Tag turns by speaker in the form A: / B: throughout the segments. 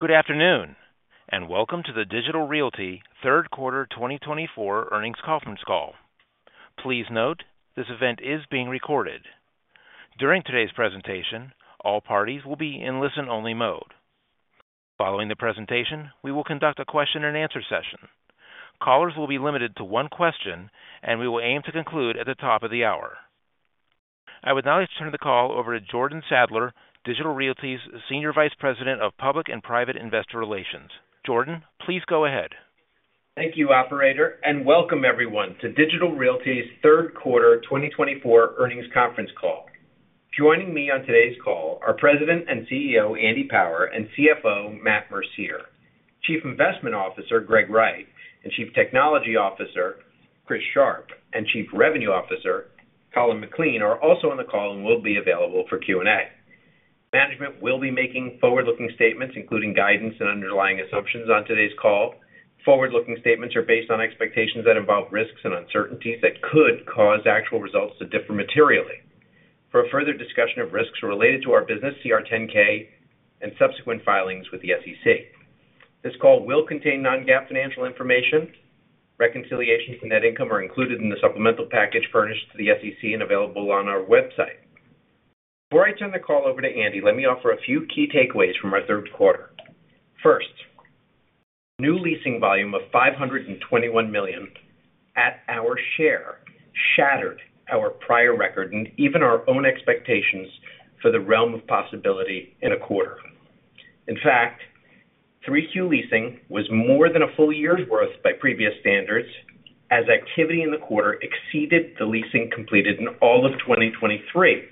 A: Good afternoon, and welcome to the Digital Realty Third Quarter 2024 Earnings Conference Call. Please note, this event is being recorded. During today's presentation, all parties will be in listen-only mode. Following the presentation, we will conduct a question-and-answer session. Callers will be limited to one question, and we will aim to conclude at the top of the hour. I would now like to turn the call over to Jordan Sadler, Digital Realty's Senior Vice President of Public and Private Investor Relations. Jordan, please go ahead.
B: Thank you, operator, and welcome everyone to Digital Realty's Third Quarter 2024 Earnings Conference Call. Joining me on today's call are President and CEO, Andy Power, and CFO, Matt Mercier. Chief Investment Officer, Greg Wright, and Chief Technology Officer, Chris Sharp, and Chief Revenue Officer, Colin McLean, are also on the call and will be available for Q&A. Management will be making forward-looking statements, including guidance and underlying assumptions on today's call. Forward-looking statements are based on expectations that involve risks and uncertainties that could cause actual results to differ materially. For a further discussion of risks related to our business, see our 10K and subsequent filings with the SEC. This call will contain non-GAAP financial information. Reconciliations to net income are included in the supplemental package furnished to the SEC and available on our website. Before I turn the call over to Andy, let me offer a few key takeaways from our third quarter. First, new leasing volume of $521 million at our share shattered our prior record and even our own expectations for the realm of possibility in a quarter. In fact, 3Q leasing was more than a full year's worth by previous standards, as activity in the quarter exceeded the leasing completed in all of 2023,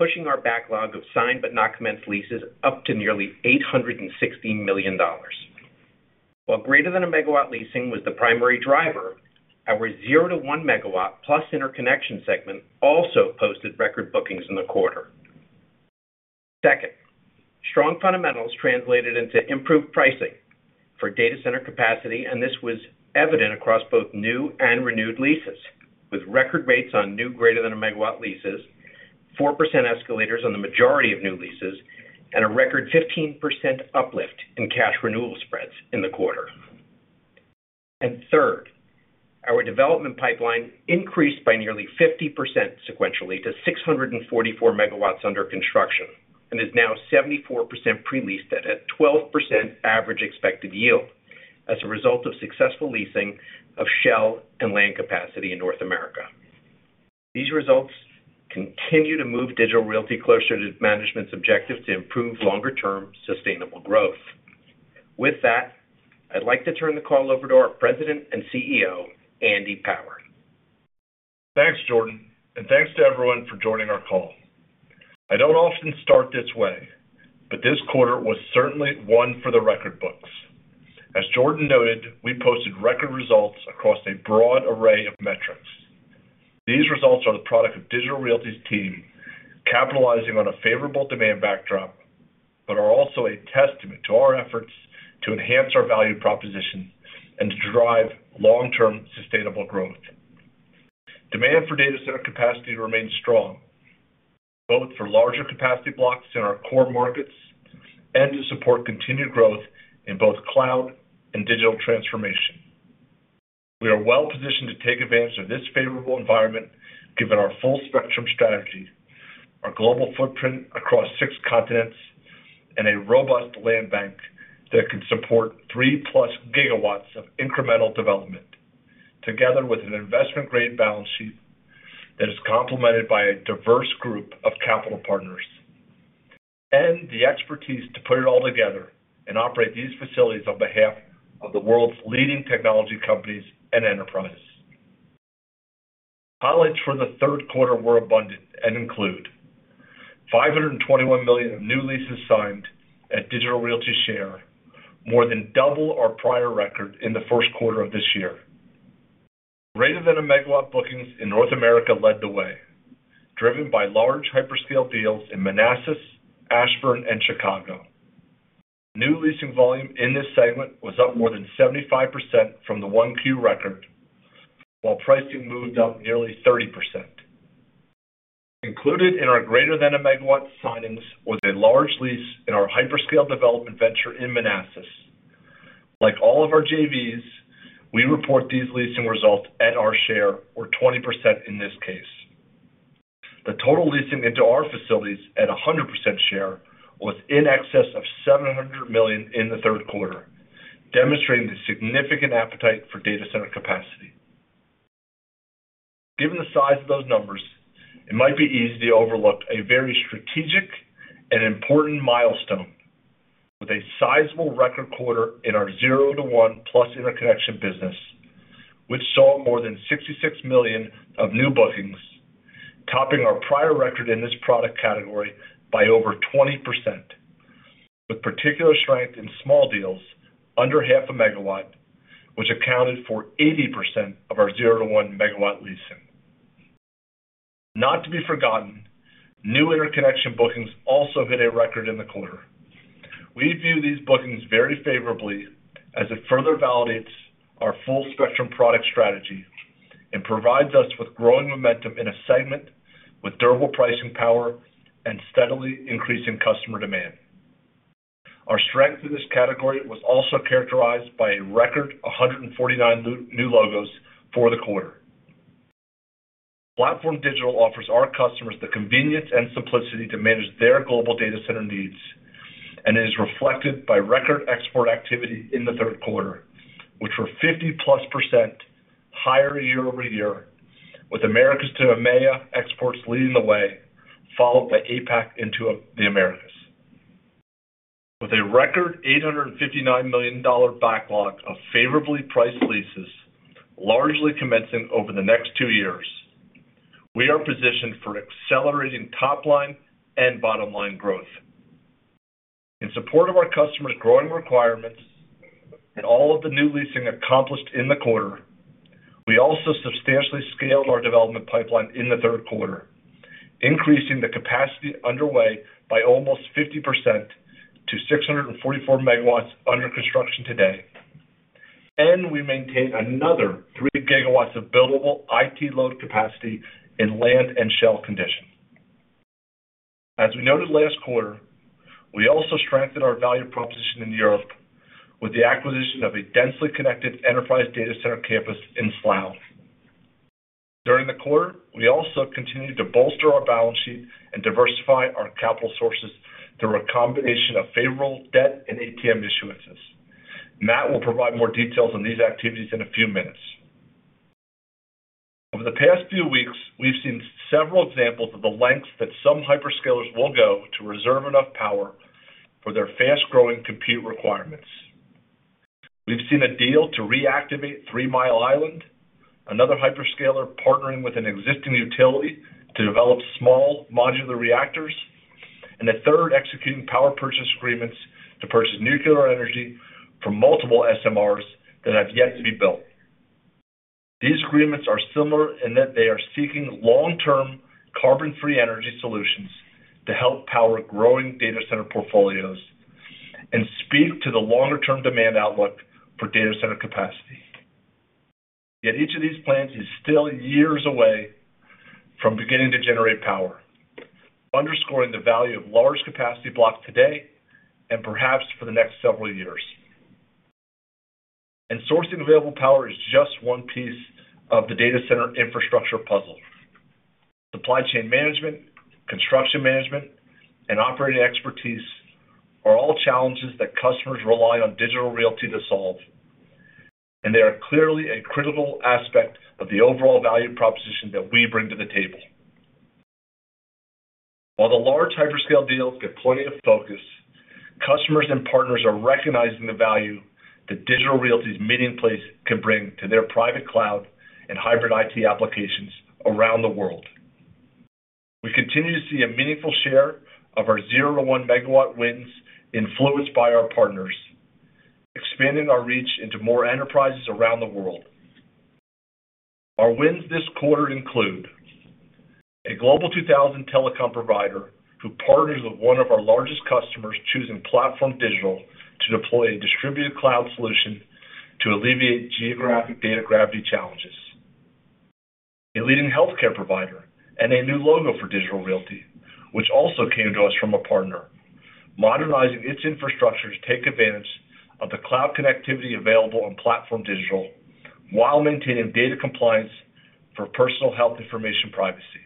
B: pushing our backlog of signed but not commenced leases up to nearly $860 million. While greater than 1 megawatt leasing was the primary driver, our 0-1 megawatt plus interconnection segment also posted record bookings in the quarter. Second, strong fundamentals translated into improved pricing for data center capacity, and this was evident across both new and renewed leases, with record rates on new greater than a megawatt leases, 4% escalators on the majority of new leases, and a record 15% uplift in cash renewal spreads in the quarter, and third, our development pipeline increased by nearly 50% sequentially to 644 megawatts under construction and is now 74% pre-leased at a 12% average expected yield as a result of successful leasing of shell and land capacity in North America. These results continue to move Digital Realty closer to management's objective to improve longer-term sustainable growth. With that, I'd like to turn the call over to our President and CEO, Andy Power.
C: Thanks, Jordan, and thanks to everyone for joining our call. I don't often start this way, but this quarter was certainly one for the record books. As Jordan noted, we posted record results across a broad array of metrics. These results are the product of Digital Realty's team, capitalizing on a favorable demand backdrop, but are also a testament to our efforts to enhance our value proposition and to drive long-term sustainable growth. Demand for data center capacity remains strong, both for larger capacity blocks in our core markets and to support continued growth in both cloud and digital transformation. We are well positioned to take advantage of this favorable environment, given our full spectrum strategy, our global footprint across six continents, and a robust land bank that can support 3+ gigawatts of incremental development, together with an investment-grade balance sheet that is complemented by a diverse group of capital partners, and the expertise to put it all together and operate these facilities on behalf of the world's leading technology companies and enterprises. Highlights for the third quarter were abundant and include $521 million of new leases signed at Digital Realty Trust, more than double our prior record in the first quarter of this year. Greater than 1 megawatt bookings in North America led the way, driven by large hyperscale deals in Manassas, Ashburn, and Chicago. New leasing volume in this segment was up more than 75% from the 1Q record, while pricing moved up nearly 30%. Included in our greater than a megawatt signings was a large lease in our hyperscale development venture in Manassas. Like all of our JVs, we report these leasing results at our share, or 20% in this case. The total leasing into our facilities at a 100% share was in excess of $700 million in the third quarter, demonstrating the significant appetite for data center capacity. Given the size of those numbers, it might be easy to overlook a very strategic and important milestone with a sizable record quarter in our 0 to 1 plus interconnection business, which saw more than $66 million of new bookings, topping our prior record in this product category by over 20%, with particular strength in small deals under 0.5 MW, which accounted for 80% of our 0 to 1 MW leasing. Not to be forgotten, new interconnection bookings also hit a record in the quarter. We view these bookings very favorably as it further validates our full spectrum product strategy... and provides us with growing momentum in a segment with durable pricing power and steadily increasing customer demand. Our strength in this category was also characterized by a record 149 new logos for the quarter. Platform Digital offers our customers the convenience and simplicity to manage their global data center needs, and is reflected by record export activity in the third quarter, which were 50-plus% higher year-over-year, with Americas to EMEA exports leading the way, followed by APAC into the Americas. With a record $859 million backlog of favorably priced leases, largely commencing over the next two years, we are positioned for accelerating top line and bottom line growth. In support of our customers' growing requirements and all of the new leasing accomplished in the quarter, we also substantially scaled our development pipeline in the third quarter, increasing the capacity underway by almost 50% to 644 megawatts under construction today, and we maintain another 3 gigawatts of buildable IT load capacity in land and shell condition. As we noted last quarter, we also strengthened our value proposition in Europe with the acquisition of a densely connected enterprise data center campus in Slough. During the quarter, we also continued to bolster our balance sheet and diversify our capital sources through a combination of favorable debt and ATM issuances. Matt will provide more details on these activities in a few minutes. Over the past few weeks, we've seen several examples of the lengths that some hyperscalers will go to reserve enough power for their fast-growing compute requirements. We've seen a deal to reactivate Three Mile Island, another hyperscaler partnering with an existing utility to develop small modular reactors, and a third executing power purchase agreements to purchase nuclear energy from multiple SMRs that have yet to be built. These agreements are similar in that they are seeking long-term, carbon-free energy solutions to help power growing data center portfolios and speak to the longer-term demand outlook for data center capacity. Yet each of these plans is still years away from beginning to generate power, underscoring the value of large capacity blocks today and perhaps for the next several years. And sourcing available power is just one piece of the data center infrastructure puzzle. Supply chain management, construction management, and operating expertise are all challenges that customers rely on Digital Realty to solve, and they are clearly a critical aspect of the overall value proposition that we bring to the table. While the large hyperscale deals get plenty of focus, customers and partners are recognizing the value that Digital Realty's meeting place can bring to their private cloud and hybrid IT applications around the world. We continue to see a meaningful share of our zero to one megawatt wins influenced by our partners, expanding our reach into more enterprises around the world. Our wins this quarter include: a Global 2000 telecom provider, who partners with one of our largest customers, choosing Platform Digital to deploy a distributed cloud solution to alleviate geographic data gravity challenges. A leading healthcare provider, and a new logo for Digital Realty, which also came to us from a partner, modernizing its infrastructure to take advantage of the cloud connectivity available on Platform Digital, while maintaining data compliance for personal health information privacy.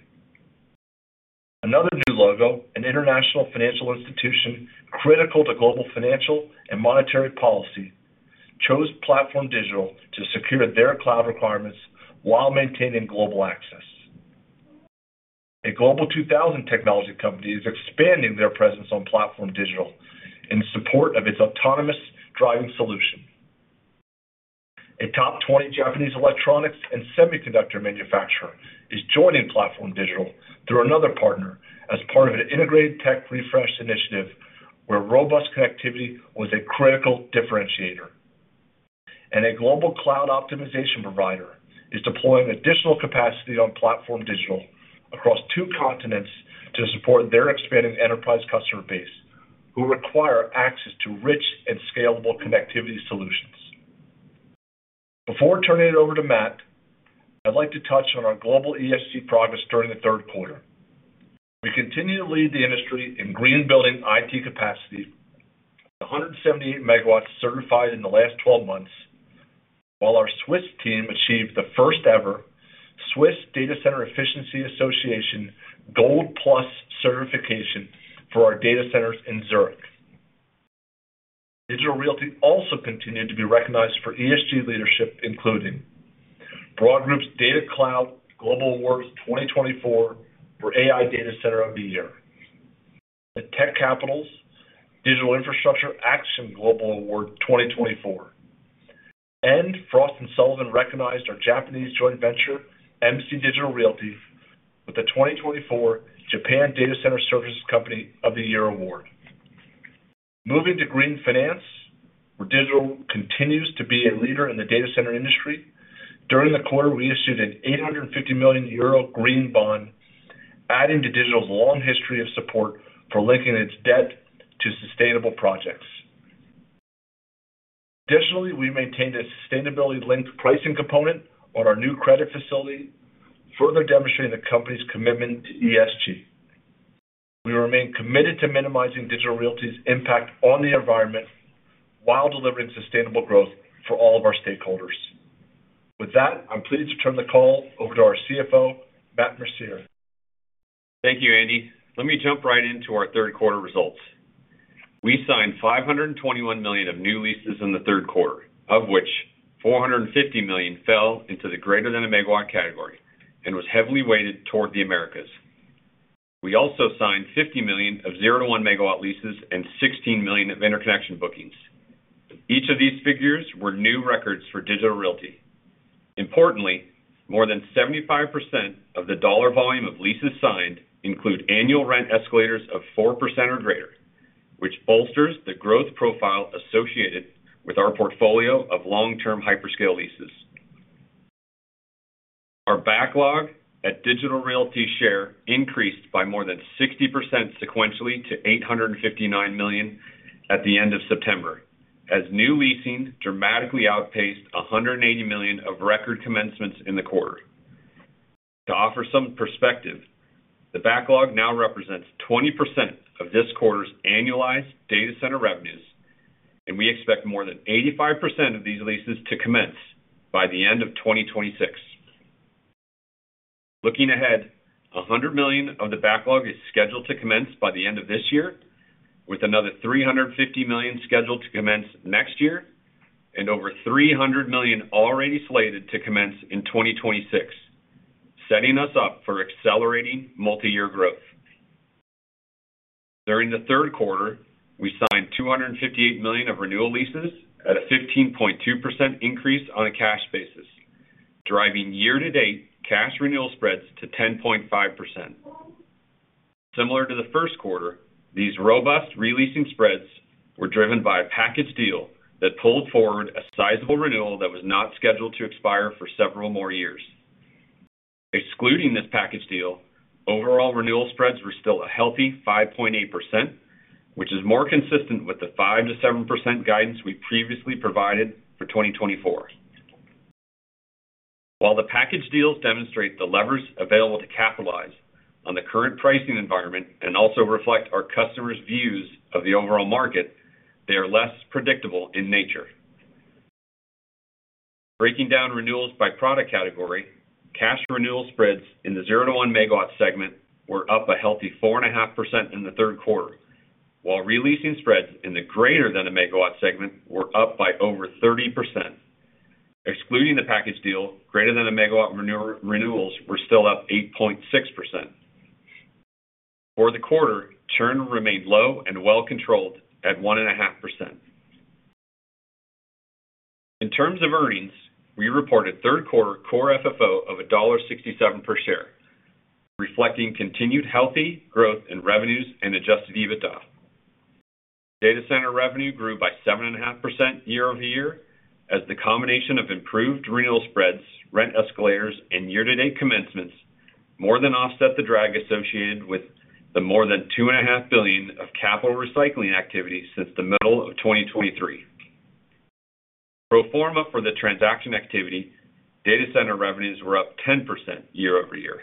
C: Another new logo, an international financial institution, critical to global financial and monetary policy, chose Platform Digital to secure their cloud requirements while maintaining global access. A Global two thousand technology company is expanding their presence on Platform Digital in support of its autonomous driving solution. A top twenty Japanese electronics and semiconductor manufacturer is joining Platform Digital through another partner as part of an integrated tech refresh initiative, where robust connectivity was a critical differentiator, and a global cloud optimization provider is deploying additional capacity on Platform Digital across two continents to support their expanding enterprise customer base, who require access to rich and scalable connectivity solutions. Before turning it over to Matt, I'd like to touch on our global ESG progress during the third quarter. We continue to lead the industry in green building IT capacity, 178 megawatts certified in the last 12 months, while our Swiss team achieved the first-ever Swiss Datacenter Efficiency Association Gold Plus certification for our data centers in Zurich. Digital Realty also continued to be recognized for ESG leadership, including BroadGroup's Data Cloud Global Awards 2024 for AI Data Center of the Year, The Tech Capital's Digital Infrastructure Action Global Award 2024, and Frost & Sullivan recognized our Japanese joint venture, MC Digital Realty, with the 2024 Japan Data Center Services Company of the Year award. Moving to green finance, where Digital continues to be a leader in the data center industry. During the quarter, we issued an 850 million euro green bond, adding to Digital's long history of support for linking its debt to sustainable projects. Additionally, we maintained a sustainability-linked pricing component on our new credit facility, further demonstrating the company's commitment to ESG. We remain committed to minimizing Digital Realty's impact on the environment, while delivering sustainable growth for all of our stakeholders. With that, I'm pleased to turn the call over to our CFO, Matt Mercier.
D: Thank you, Andy. Let me jump right into our third quarter results. We signed $521 million of new leases in the third quarter, of which $450 million fell into the greater than a megawatt category and was heavily weighted toward the Americas. We also signed $50 million of zero to one megawatt leases and $16 million of interconnection bookings. Each of these figures were new records for Digital Realty. Importantly, more than 75% of the dollar volume of leases signed include annual rent escalators of 4% or greater, which bolsters the growth profile associated with our portfolio of long-term hyperscale leases. Our backlog at Digital Realty share increased by more than 60% sequentially to $859 million at the end of September, as new leasing dramatically outpaced $180 million of record commencements in the quarter. To offer some perspective, the backlog now represents 20% of this quarter's annualized data center revenues, and we expect more than 85% of these leases to commence by the end of twenty twenty-six. Looking ahead, $100 million of the backlog is scheduled to commence by the end of this year, with another $350 million scheduled to commence next year, and over $300 million already slated to commence in twenty twenty-six, setting us up for accelerating multiyear growth. During the third quarter, we signed $258 million of renewal leases at a 15.2% increase on a cash basis, driving year-to-date cash renewal spreads to 10.5%. Similar to the first quarter, these robust re-leasing spreads were driven by a package deal that pulled forward a sizable renewal that was not scheduled to expire for several more years. Excluding this package deal, overall renewal spreads were still a healthy 5.8%, which is more consistent with the 5%-7% guidance we previously provided for 2024. While the package deals demonstrate the levers available to capitalize on the current pricing environment and also reflect our customers' views of the overall market, they are less predictable in nature. Breaking down renewals by product category, cash renewal spreads in the 0-1 megawatt segment were up a healthy 4.5% in the third quarter, while re-leasing spreads in the greater than 1 megawatt segment were up by over 30%. Excluding the package deal, greater than 1 megawatt renewals were still up 8.6%. For the quarter, churn remained low and well controlled at 1.5%. In terms of earnings, we reported third quarter Core FFO of $1.67 per share, reflecting continued healthy growth in revenues and Adjusted EBITDA. Data center revenue grew by 7.5% year over year, as the combination of improved renewal spreads, rent escalators, and year-to-date commencements more than offset the drag associated with the more than $2.5 billion of capital recycling activity since the middle of 2023. Pro forma for the transaction activity, data center revenues were up 10% year over year.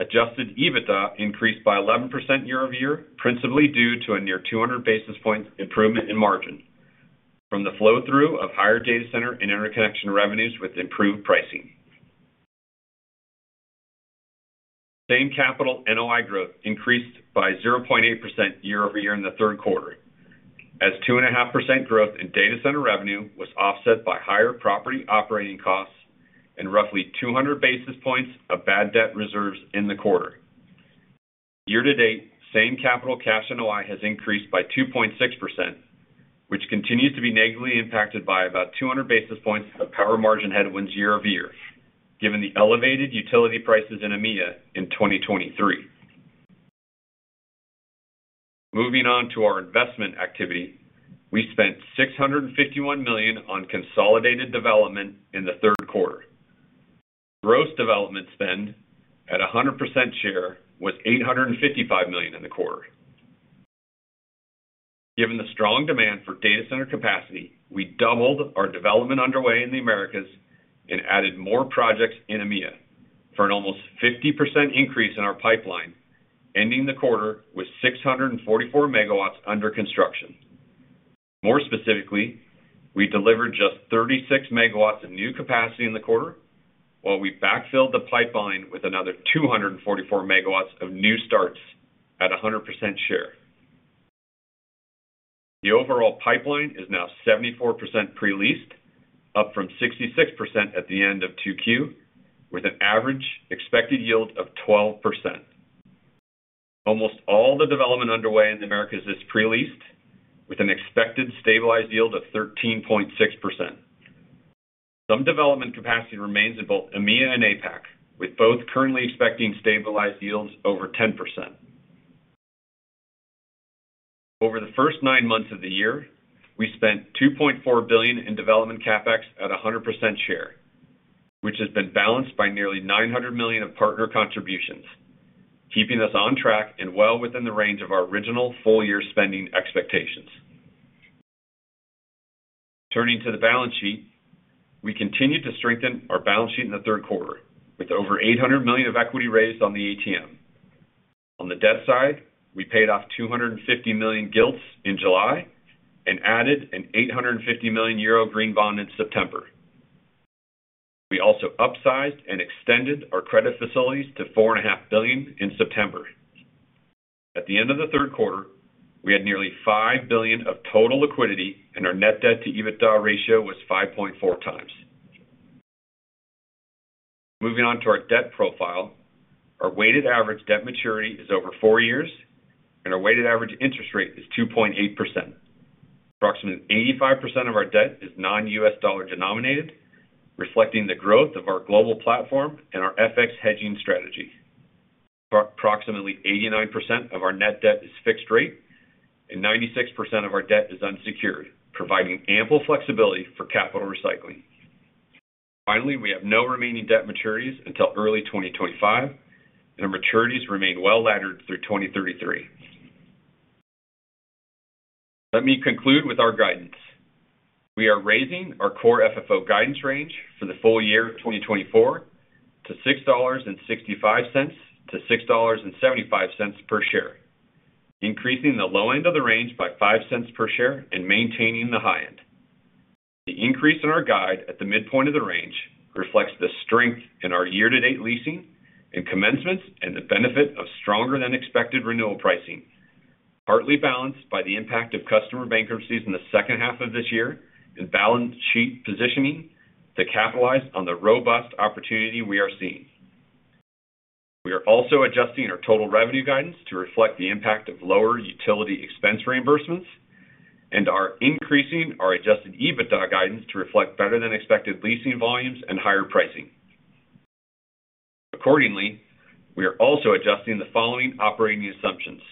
D: Adjusted EBITDA increased by 11% year over year, principally due to a near 200 basis points improvement in margin from the flow-through of higher data center and interconnection revenues with improved pricing. Same-Capital NOI growth increased by 0.8% year over year in the third quarter, as 2.5% growth in data center revenue was offset by higher property operating costs and roughly 200 basis points of bad debt reserves in the quarter. Year to date, Same-Capital cash NOI has increased by 2.6%, which continues to be negatively impacted by about 200 basis points of power margin headwinds year over year, given the elevated utility prices in EMEA in 2023. Moving on to our investment activity, we spent $651 million on consolidated development in the third quarter. Gross development spend at a 100% share was $855 million in the quarter. Given the strong demand for data center capacity, we doubled our development underway in the Americas and added more projects in EMEA for an almost 50% increase in our pipeline, ending the quarter with 644 megawatts under construction. More specifically, we delivered just 36 megawatts of new capacity in the quarter, while we backfilled the pipeline with another 244 megawatts of new starts at a 100% share. The overall pipeline is now 74% pre-leased, up from 66% at the end of 2Q, with an average expected yield of 12%. Almost all the development underway in the Americas is pre-leased, with an expected stabilized yield of 13.6%. Some development capacity remains in both EMEA and APAC, with both currently expecting stabilized yields over 10%. Over the first nine months of the year, we spent $2.4 billion in development CapEx at a 100% share, which has been balanced by nearly $900 million of partner contributions, keeping us on track and well within the range of our original full-year spending expectations. Turning to the balance sheet, we continued to strengthen our balance sheet in the third quarter, with over $800 million of equity raised on the ATM. On the debt side, we paid off 250 million gilts in July and added an 850 million euro green bond in September. We also upsized and extended our credit facilities to $4.5 billion in September. At the end of the third quarter, we had nearly $5 billion of total liquidity, and our net debt to EBITDA ratio was 5.4 times. Moving on to our debt profile, our weighted average debt maturity is over four years, and our weighted average interest rate is 2.8%. Approximately 85% of our debt is non-U.S. dollar denominated, reflecting the growth of our global platform and our FX hedging strategy. Approximately 89% of our net debt is fixed rate, and 96% of our debt is unsecured, providing ample flexibility for capital recycling. Finally, we have no remaining debt maturities until early 2025, and our maturities remain well laddered through 2033. Let me conclude with our guidance. We are raising our core FFO guidance range for the full year of 2024 to $6.65-$6.75 per share, increasing the low end of the range by $0.05 per share and maintaining the high end. The increase in our guide at the midpoint of the range reflects the strength in our year-to-date leasing and commencements, and the benefit of stronger than expected renewal pricing, partly balanced by the impact of customer bankruptcies in the second half of this year, and balance sheet positioning to capitalize on the robust opportunity we are seeing. We are also adjusting our total revenue guidance to reflect the impact of lower utility expense reimbursements, and are increasing our Adjusted EBITDA guidance to reflect better than expected leasing volumes and higher pricing. Accordingly, we are also adjusting the following operating assumptions.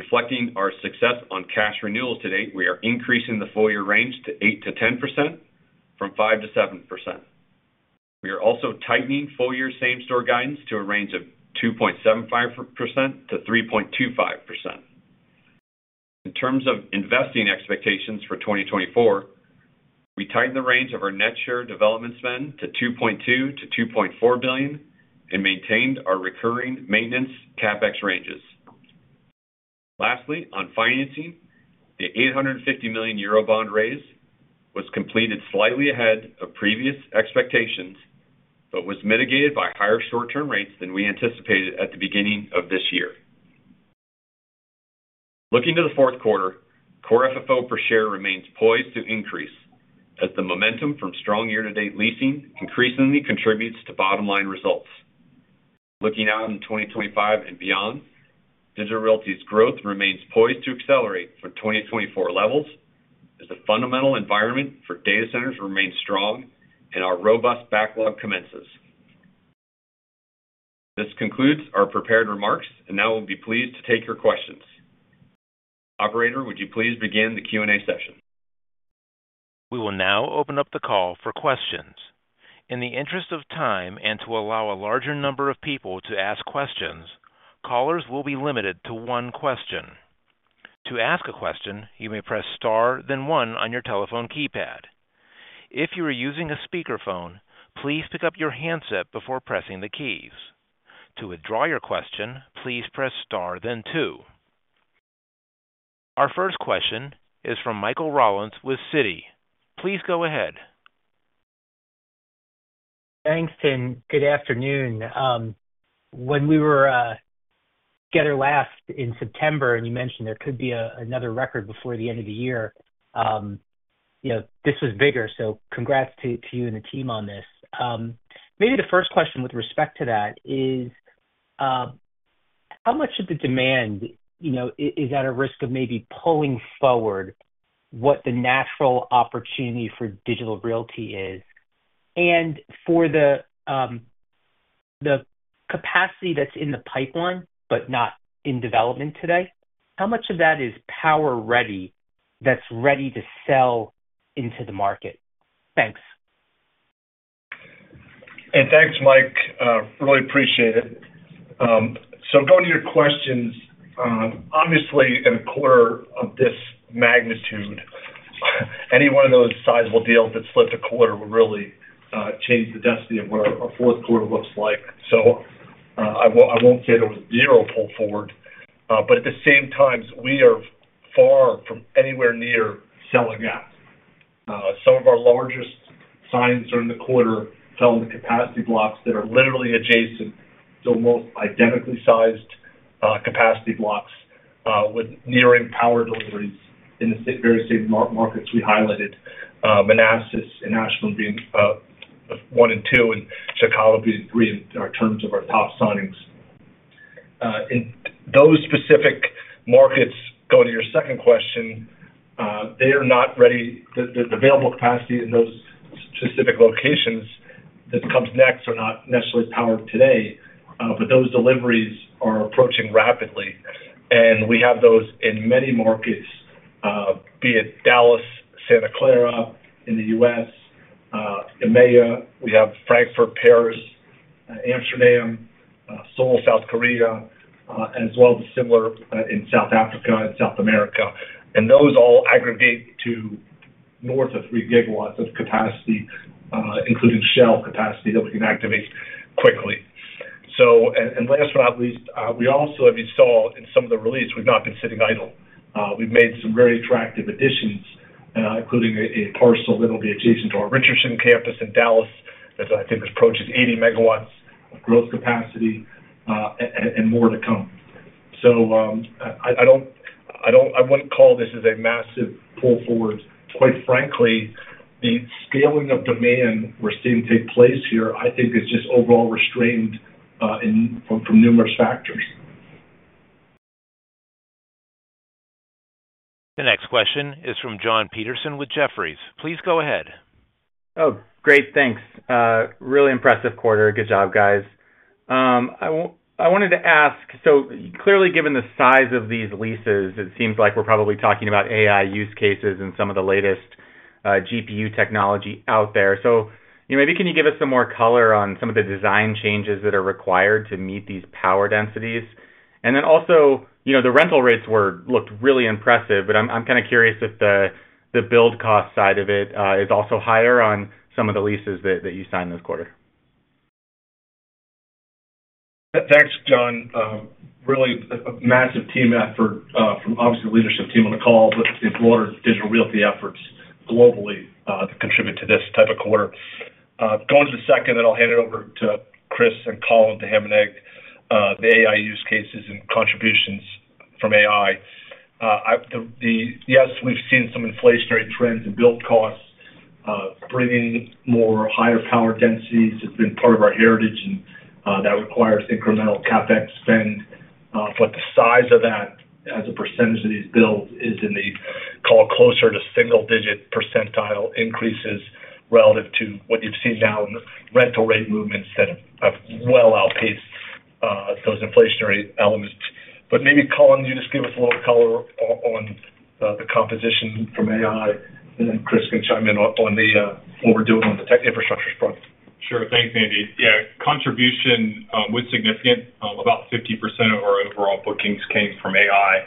D: Reflecting our success on cash renewals to date, we are increasing the full-year range to 8%-10% from 5%-7%. We are also tightening full-year same-store guidance to a range of 2.75%-3.25%. In terms of investing expectations for 2024, we tightened the range of our net share development spend to $2.2-$2.4 billion and maintained our recurring maintenance CapEx ranges. Lastly, on financing, the 850 million euro bond raise was completed slightly ahead of previous expectations, but was mitigated by higher short-term rates than we anticipated at the beginning of this year. Looking to the fourth quarter, core FFO per share remains poised to increase as the momentum from strong year-to-date leasing increasingly contributes to bottom-line results. Looking out in 2025 and beyond, Digital Realty's growth remains poised to accelerate from 2024 levels, as the fundamental environment for data centers remains strong and our robust backlog commences. This concludes our prepared remarks, and now we'll be pleased to take your questions. Operator, would you please begin the Q&A session?
A: We will now open up the call for questions. In the interest of time and to allow a larger number of people to ask questions, callers will be limited to one question. To ask a question, you may press Star, then one on your telephone keypad. If you are using a speakerphone, please pick up your handset before pressing the keys. To withdraw your question, please press Star then two. Our first question is from Michael Rollins with Citi. Please go ahead.
E: Thanks, Tim. Good afternoon. When we were together last in September, and you mentioned there could be another record before the end of the year, you know, this was bigger, so congrats to you and the team on this. Maybe the first question with respect to that is, how much of the demand, you know, is at a risk of maybe pulling forward what the natural opportunity for Digital Realty is? And for the capacity that's in the pipeline, but not in development today, how much of that is power ready, that's ready to sell into the market? Thanks.
D: And thanks, Mike, really appreciate it. So going to your questions, obviously, in a quarter of this magnitude, any one of those sizable deals that slipped a quarter would really change the destiny of what our fourth quarter looks like. I won't say there was zero pull forward, but at the same time, we are far from anywhere near selling out. Some of our largest signings during the quarter fell into capacity blocks that are literally adjacent to almost identically sized capacity blocks with nearing power deliveries in the very same markets we highlighted. Manassas and Ashburn being one and two, and Chicago being three in terms of our top signings. In those specific markets, going to your second question, they are not ready. The available capacity in those specific locations that comes next are not necessarily powered today, but those deliveries are approaching rapidly, and we have those in many markets.... be it Dallas, Santa Clara in the U.S., EMEA, we have Frankfurt, Paris, Amsterdam, Seoul, South Korea, as well as similar in South Africa and South America. And those all aggregate to north of 3 gigawatts of capacity, including shell capacity that we can activate quickly. So, and last but not least, we also, as you saw in some of the release, we've not been sitting idle. We've made some very attractive additions, including a parcel that will be adjacent to our Richardson campus in Dallas, that I think approaches 80 megawatts of growth capacity, and more to come. So, I don't. I wouldn't call this as a massive pull forward. Quite frankly, the scaling of demand we're seeing take place here, I think, is just overall restrained from numerous factors.
A: The next question is from John Peterson with Jefferies. Please go ahead.
F: Oh, great, thanks. Really impressive quarter. Good job, guys. I wanted to ask, so clearly, given the size of these leases, it seems like we're probably talking about AI use cases and some of the latest, GPU technology out there. You know, maybe can you give us some more color on some of the design changes that are required to meet these power densities? And then also, you know, the rental rates looked really impressive, but I'm kind of curious if the build cost side of it is also higher on some of the leases that you signed this quarter.
C: Thanks, John. Really a massive team effort from obviously the leadership team on the call, but it's more Digital Realty efforts globally that contribute to this type of quarter. Going to the second, then I'll hand it over to Chris and Colin to have a chat on the AI use cases and contributions from AI. Yes, we've seen some inflationary trends in build costs bringing more higher power densities. It's been part of our heritage, and that requires incremental CapEx spend. But the size of that as a percentage of these builds is actually closer to single digit percentile increases relative to what you've seen now in the rental rate movements that have well outpaced those inflationary elements. But maybe, Colin, you just give us a little color on the composition from AI, and then Chris can chime in on what we're doing on the tech infrastructure front.
G: Sure. Thanks, Andy. Yeah, contribution was significant. About 50% of our overall bookings came from AI.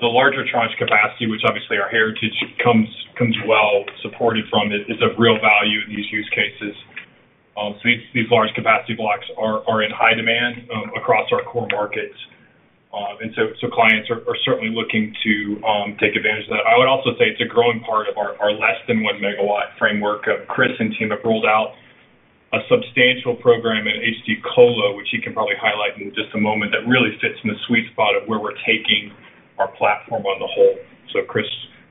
G: The larger tranche capacity, which obviously our heritage comes well supported from, is of real value in these use cases. So these large capacity blocks are in high demand across our core markets. And so clients are certainly looking to take advantage of that. I would also say it's a growing part of our less than 1 megawatt framework. Chris and team have rolled out a substantial program at HD Colo, which he can probably highlight in just a moment, that really fits in the sweet spot of where we're taking our platform on the whole. So, Chris?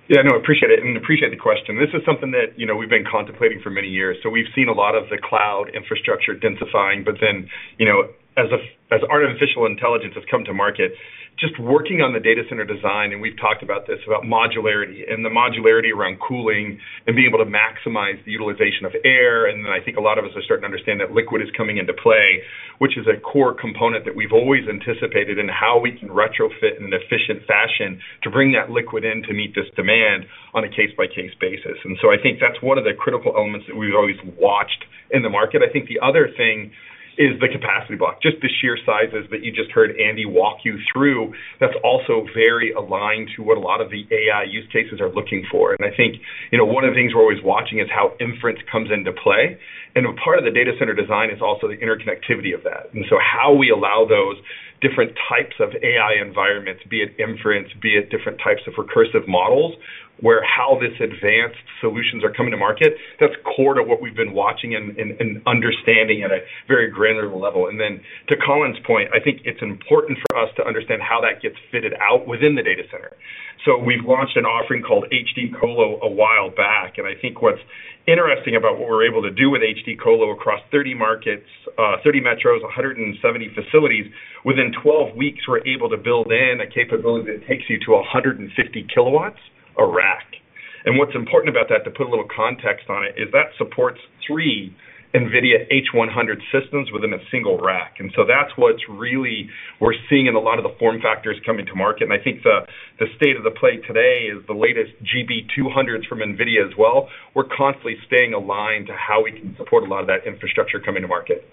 H: Yeah, no, appreciate it, and appreciate the question. This is something that, you know, we've been contemplating for many years. So we've seen a lot of the cloud infrastructure densifying, but then, you know, as artificial intelligence has come to market, just working on the data center design, and we've talked about this, about modularity and the modularity around cooling and being able to maximize the utilization of air. And then I think a lot of us are starting to understand that liquid is coming into play, which is a core component that we've always anticipated in how we can retrofit in an efficient fashion to bring that liquid in to meet this demand on a case-by-case basis. And so I think that's one of the critical elements that we've always watched in the market. I think the other thing is the capacity block, just the sheer sizes that you just heard Andy walk you through. That's also very aligned to what a lot of the AI use cases are looking for, and I think, you know, one of the things we're always watching is how inference comes into play, and part of the data center design is also the interconnectivity of that, and so how we allow those different types of AI environments, be it inference, be it different types of recursive models, where how this advanced solutions are coming to market. That's core to what we've been watching and understanding at a very granular level, and then, to Colin's point, I think it's important for us to understand how that gets fitted out within the data center. We've launched an offering called HD Colo a while back, and I think what's interesting about what we're able to do with HD Colo across thirty markets, thirty metros, 170 facilities. Within 12 weeks, we're able to build in a capability that takes you to 150 kilowatts a rack. And what's important about that, to put a little context on it, is that supports three NVIDIA H100 systems within a single rack. And so that's what's really we're seeing in a lot of the form factors coming to market. And I think the, the state of the play today is the latest GB200 from NVIDIA as well. We're constantly staying aligned to how we can support a lot of that infrastructure coming to market.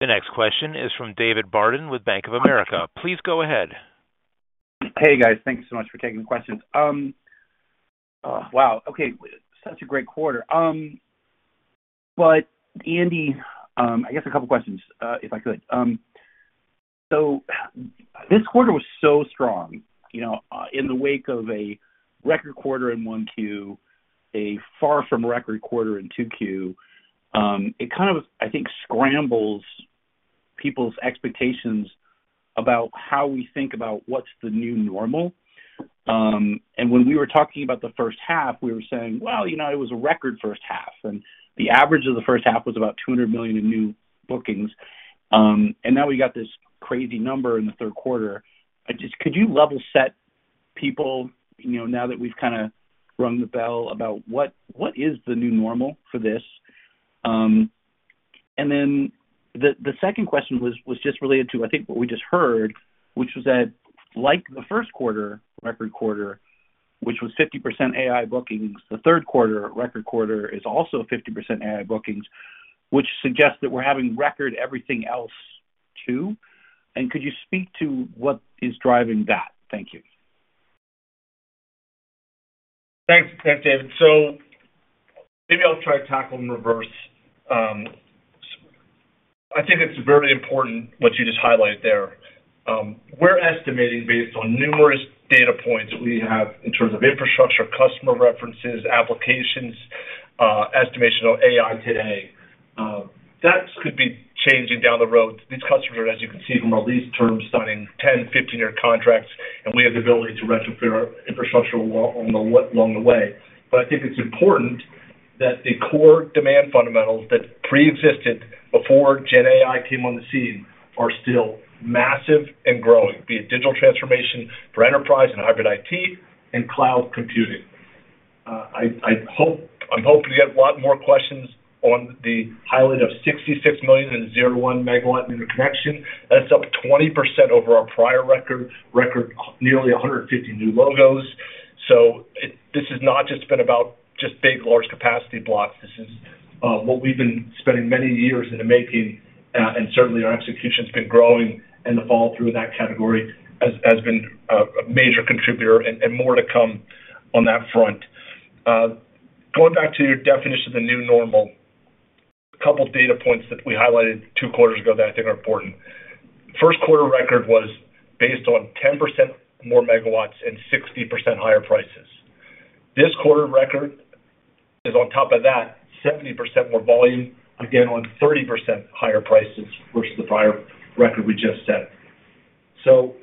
A: The next question is from David Barden with Bank of America. Please go ahead.
I: Hey, guys. Thank you so much for taking the questions. Wow, okay, such a great quarter. But Andy, I guess a couple questions, if I could. So this quarter was so strong, you know, in the wake of a record quarter in 1Q, a far from record quarter in 2Q, it kind of, I think, scrambles people's expectations about how we think about what's the new normal. And when we were talking about the first half, we were saying, "Well, you know, it was a record first half," and the average of the first half was about 200 million in new bookings. And now we got this crazy number in the third quarter. I just... Could you level set people, you know, now that we've kind of rung the bell, about what, what is the new normal for this? And then the second question was just related to, I think, what we just heard, which was that, like the first quarter, record quarter, which was 50% AI bookings, the third quarter, record quarter, is also 50% AI bookings, which suggests that we're having record everything else, too. And could you speak to what is driving that? Thank you.
C: Thanks. Thanks, David. So maybe I'll try to tackle in reverse. I think it's very important what you just highlighted there. We're estimating based on numerous data points we have in terms of infrastructure, customer references, applications, estimation on AI today. That could be changing down the road. These customers, as you can see from our lease terms, signing 10, 15-year contracts, and we have the ability to retrofit our infrastructure along the way. But I think it's important that the core demand fundamentals that preexisted before GenAI came on the scene are still massive and growing, be it digital transformation for enterprise and hybrid IT and cloud computing. I'm hoping to get a lot more questions on the highlight of $66 million and 101 megawatt in the connection. That's up 20% over our prior record, nearly 150 new logos. So it. This has not just been about just big, large capacity blocks. This is what we've been spending many years in the making, and certainly our execution's been growing, and the fill through that category has been a major contributor, and more to come on that front. Going back to your definition of the new normal, a couple data points that we highlighted two quarters ago that I think are important. First quarter record was based on 10% more megawatts and 60% higher prices. This quarter record is on top of that, 70% more volume, again, on 30% higher prices versus the prior record we just set. So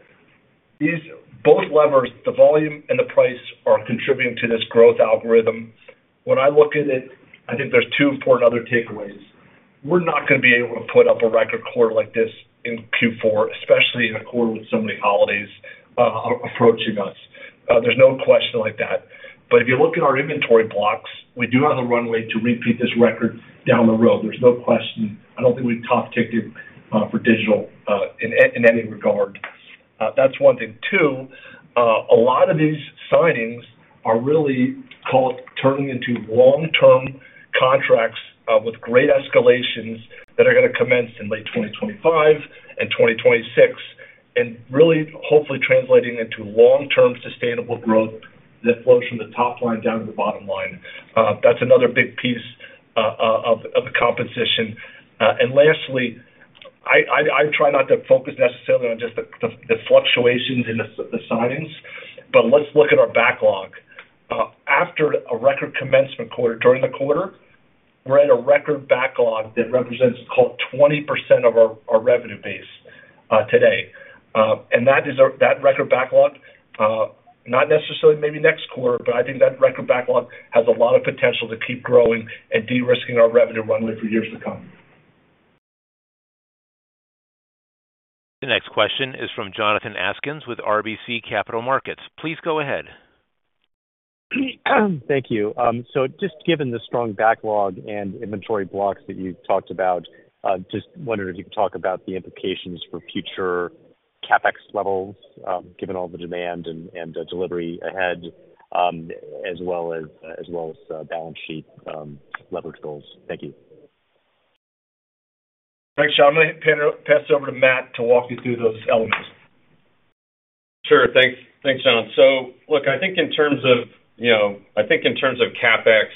C: these, both levers, the volume and the price, are contributing to this growth algorithm. When I look at it, I think there's two important other takeaways. We're not going to be able to put up a record quarter like this in Q4, especially in a quarter with so many holidays approaching us. There's no question like that. But if you look at our inventory blocks, we do have the runway to repeat this record down the road. There's no question. I don't think we've topped out for digital in any regard. That's one thing. Two, a lot of these signings are really starting to turn into long-term contracts with great escalations that are going to commence in late 2025 and 2026, and really, hopefully translating into long-term sustainable growth that flows from the top line down to the bottom line. That's another big piece of the composition. And lastly, I try not to focus necessarily on just the fluctuations in the signings, but let's look at our backlog. After a record commencement quarter, during the quarter, we're at a record backlog that represents, call it, 20% of our revenue base today. And that is our record backlog, not necessarily maybe next quarter, but I think that record backlog has a lot of potential to keep growing and de-risking our revenue runway for years to come.
A: The next question is from Jonathan Atkin with RBC Capital Markets. Please go ahead.
J: Thank you. So just given the strong backlog and inventory blocks that you talked about, just wondering if you could talk about the implications for future CapEx levels, given all the demand and the delivery ahead, as well as balance sheet leverage goals. Thank you.
C: Thanks, John. I'm going to pass it over to Matt to walk you through those elements.
D: Sure. Thanks. Thanks, John. So look, I think in terms of, you know, CapEx,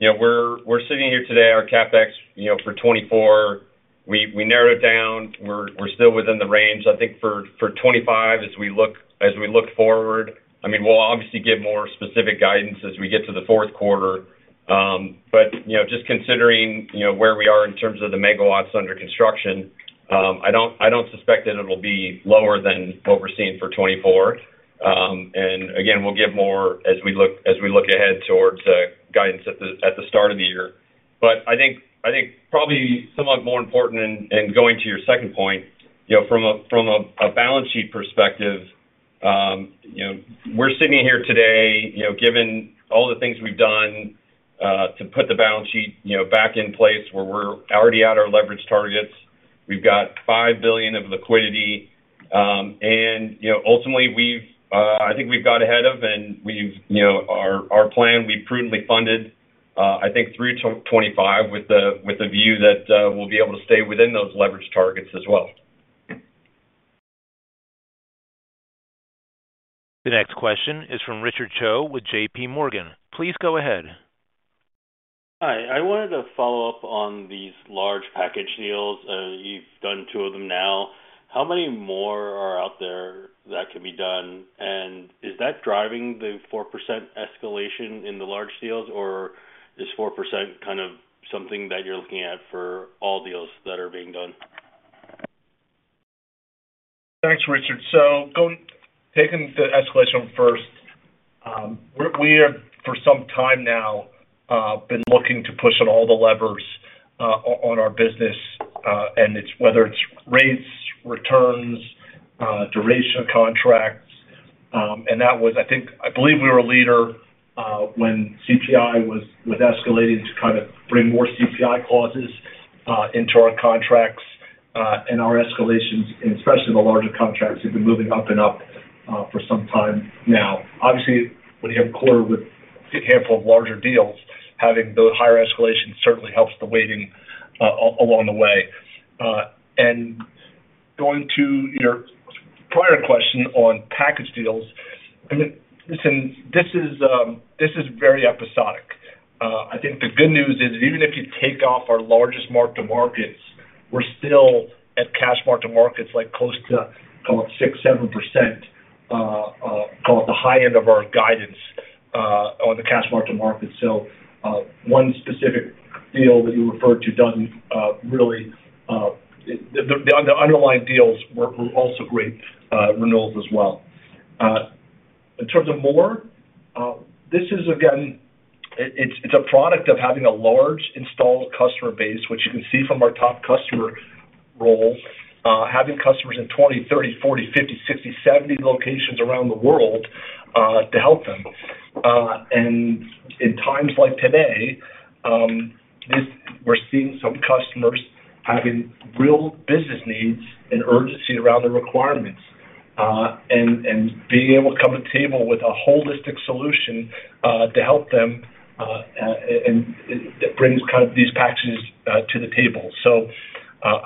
D: you know, we're sitting here today, our CapEx, you know, for 2024, we narrowed it down. We're still within the range. I think for 2025, as we look forward, I mean, we'll obviously give more specific guidance as we get to the fourth quarter. But, you know, just considering, you know, where we are in terms of the megawatts under construction, I don't suspect that it'll be lower than what we're seeing for 2024. And again, we'll give more as we look ahead towards guidance at the start of the year. But I think probably somewhat more important, and going to your second point, you know, from a balance sheet perspective, you know, we're sitting here today, you know, given all the things we've done, to put the balance sheet, you know, back in place where we're already at our leverage targets. We've got $5 billion of liquidity, and, you know, ultimately, we've, I think we've got ahead of our plan, we've prudently funded, I think through to 2025 with the view that, we'll be able to stay within those leverage targets as well.
A: The next question is from Richard Choe with JP Morgan. Please go ahead.
K: Hi, I wanted to follow up on these large package deals. You've done two of them now. How many more are out there that can be done? And is that driving the 4% escalation in the large deals, or is 4% kind of something that you're looking at for all deals that are being done?
C: Thanks, Richard. So, going, taking the escalation first, we have, for some time now, been looking to push on all the levers on our business, and it's whether it's rates, returns, duration of contract. And that was, I think, I believe we were a leader when CPI was escalating to kind of bring more CPI clauses into our contracts, and our escalations, and especially the larger contracts, have been moving up and up for some time now. Obviously, when you have a quarter with a handful of larger deals, having those higher escalations certainly helps the weighting along the way. And going to your prior question on package deals, I mean, listen, this is, this is very episodic. I think the good news is, even if you take off our largest mark-to-markets, we're still at cash mark-to-markets, like, close to call it 6-7%, call it the high end of our guidance, on the cash mark-to-market. So, one specific deal that you referred to doesn't really... The underlying deals were also great renewals as well. In terms of more, this is, again, it's a product of having a large installed customer base, which you can see from our top customer role. Having customers in twenty, thirty, forty, fifty, sixty, seventy locations around the world, to help them. In times like today, we're seeing some customers having real business needs and urgency around the requirements. And being able to come to the table with a holistic solution to help them, and it brings kind of these packages to the table. So,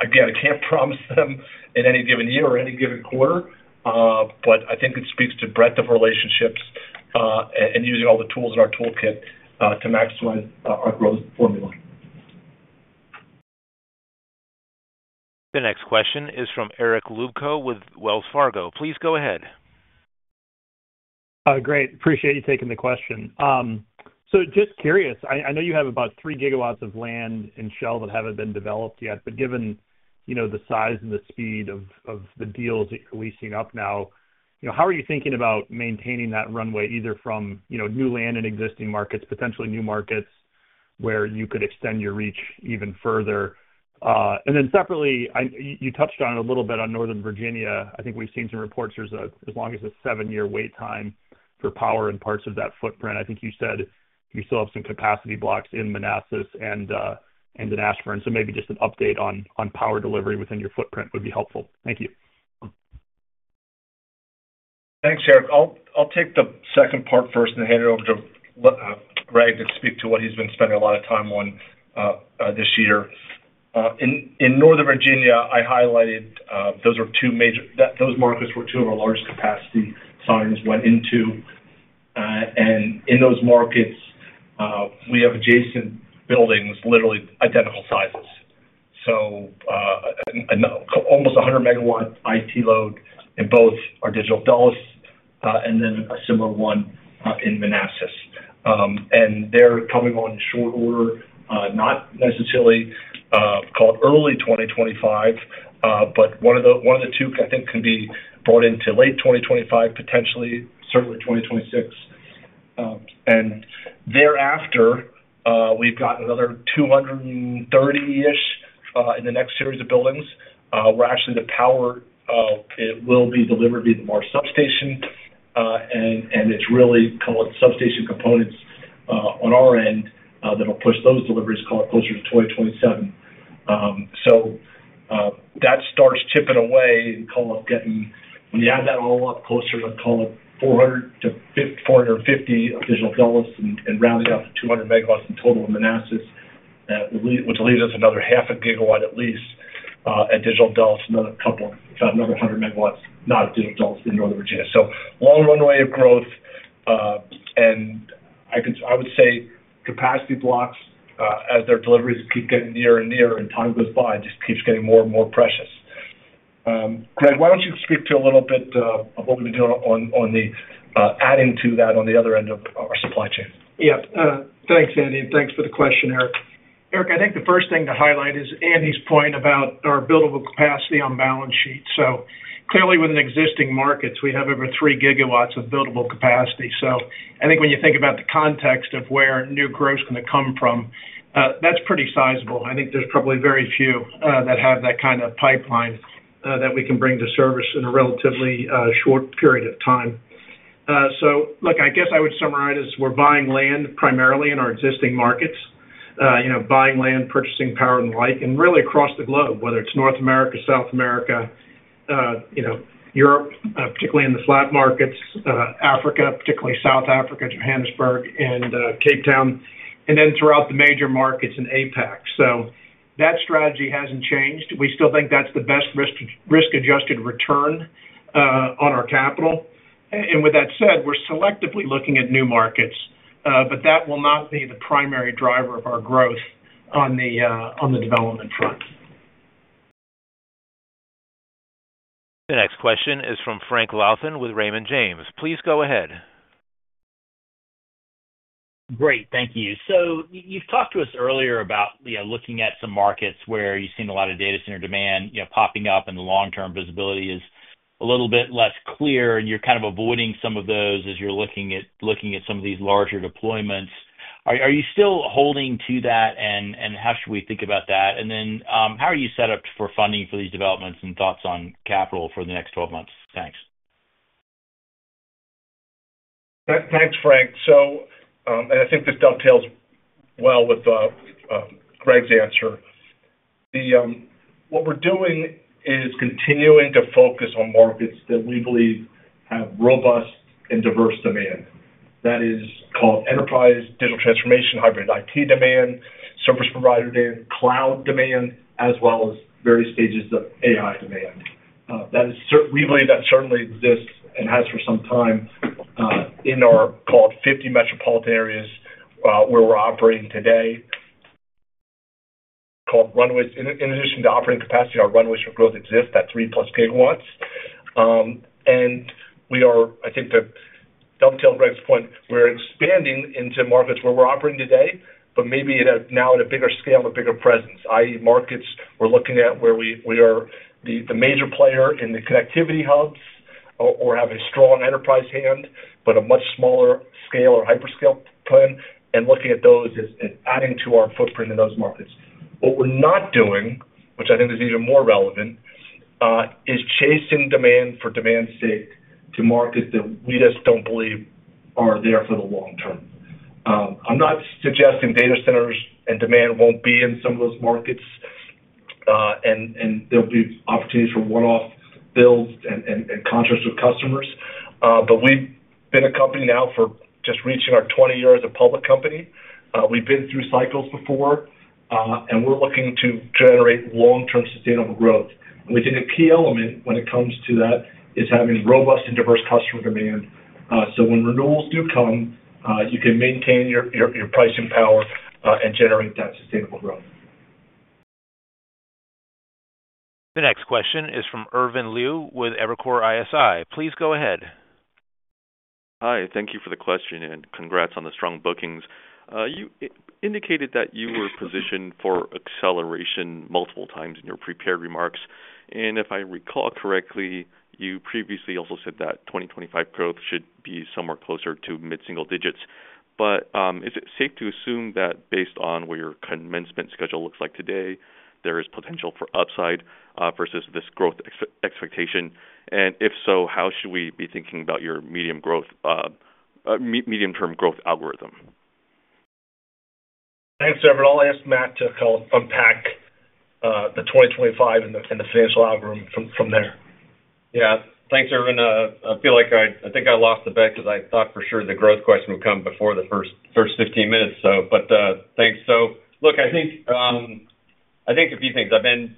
C: again, I can't promise them in any given year or any given quarter, but I think it speaks to breadth of relationships, and using all the tools in our toolkit to maximize our growth formula.
A: The next question is from Eric Luebchow with Wells Fargo. Please go ahead.
L: Great. Appreciate you taking the question. So just curious, I know you have about three gigawatts of land and shell that haven't been developed yet, but given, you know, the size and the speed of the deals that you're leasing up now, you know, how are you thinking about maintaining that runway, either from, you know, new land and existing markets, potentially new markets, where you could extend your reach even further? And then separately, you touched on it a little bit on Northern Virginia. I think we've seen some reports there's as long as a seven-year wait time for power in parts of that footprint. I think you said you still have some capacity blocks in Manassas and in Ashburn. So maybe just an update on power delivery within your footprint would be helpful. Thank you.
C: Thanks, Eric. I'll take the second part first and hand it over to let Greg speak to what he's been spending a lot of time on this year. In Northern Virginia, I highlighted those are two major. Those markets were two of our largest capacity signings went into, and in those markets, we have adjacent buildings, literally identical sizes. So, almost 100 megawatt IT load in both our Digital Dulles, and then a similar one, in Manassas. And they're coming online short order, not necessarily online early twenty twenty-five, but one of the two, I think, can be brought online late twenty twenty-five, potentially, certainly twenty twenty-six. And thereafter, we've got another 230-ish in the next series of buildings, where actually the power it will be delivered via the more substation. And it's really kind of substation components on our end that'll push those deliveries closer to 2027. So that starts chipping away and call up getting. When you add that all up closer to call it 400-450 of Digital Dulles and rounding out to 200 MW in total in Manassas, which leaves us another 0.5 GW, at least, at Digital Dulles, another couple, another 100 MW, not Digital Dulles, in Northern Virginia. So long runway of growth, and I would say capacity blocks as their deliveries keep getting nearer and nearer, and time goes by, just keeps getting more and more precious. Greg, why don't you speak to a little bit of what we've been doing on adding to that on the other end of our supply chain?
M: Yeah. Thanks, Andy, and thanks for the question, Eric. Eric, I think the first thing to highlight is Andy's point about our buildable capacity on balance sheet. So clearly, within existing markets, we have over three gigawatts of buildable capacity. So I think when you think about the context of where new growth is going to come from, that's pretty sizable. I think there's probably very few that have that kind of pipeline that we can bring to service in a relatively short period of time. So look, I guess I would summarize, is we're buying land primarily in our existing markets. You know, buying land, purchasing power, and the like, and really across the globe, whether it's North America, South America, you know, Europe, particularly in the flat markets, Africa, particularly South Africa, Johannesburg and Cape Town, and then throughout the major markets in APAC. So that strategy hasn't changed. We still think that's the best risk, risk-adjusted return on our capital. And with that said, we're selectively looking at new markets, but that will not be the primary driver of our growth on the development front.
A: The next question is from Frank Louthan with Raymond James. Please go ahead.
N: Great. Thank you. So you've talked to us earlier about, you know, looking at some markets where you've seen a lot of data center demand, you know, popping up, and the long-term visibility is a little bit less clear, and you're kind of avoiding some of those as you're looking at some of these larger deployments. ... Are you still holding to that? And how should we think about that? And then, how are you set up for funding for these developments and thoughts on capital for the next twelve months? Thanks.
C: Thanks, Frank. So, and I think this dovetails well with Greg's answer. What we're doing is continuing to focus on markets that we believe have robust and diverse demand. That is called enterprise digital transformation, hybrid IT demand, service provider demand, cloud demand, as well as various stages of AI demand. We believe that certainly exists, and has for some time, in our 50 metropolitan areas where we're operating today, core runways. In addition to operating capacity, our runways for growth exist at three-plus gigawatts. And we are. I think, to dovetail Greg's point, we're expanding into markets where we're operating today, but maybe it has now at a bigger scale, a bigger presence, i.e., markets we're looking at where we are the major player in the connectivity hubs or have a strong enterprise hand, but a much smaller scale or hyperscale plan, and looking at those as adding to our footprint in those markets. What we're not doing, which I think is even more relevant, is chasing demand for demand's sake to markets that we just don't believe are there for the long term. I'm not suggesting data centers and demand won't be in some of those markets, and there'll be opportunities for one-off builds and contracts with customers. But we've been a company now for just reaching our 20 years of public company. We've been through cycles before, and we're looking to generate long-term sustainable growth. I think a key element when it comes to that is having robust and diverse customer demand, so when renewals do come, you can maintain your pricing power, and generate that sustainable growth.
A: The next question is from Irvin Liu with Evercore ISI. Please go ahead.
O: Hi, thank you for the question, and congrats on the strong bookings. You indicated that you were positioned for acceleration multiple times in your prepared remarks, and if I recall correctly, you previously also said that twenty twenty-five growth should be somewhere closer to mid-single digits. But, is it safe to assume that based on what your commencement schedule looks like today, there is potential for upside, versus this growth expectation? And if so, how should we be thinking about your medium growth, medium-term growth algorithm?
C: Thanks, Irvin. I'll ask Matt to help unpack the 2025 and the financial algorithm from there.
D: Yeah. Thanks, Irvin. I feel like I think I lost the bet because I thought for sure the growth question would come before the first fifteen minutes. So, but, thanks. So look, I think a few things. I've been